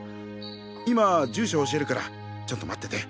今住所教えるからちょっと待ってて。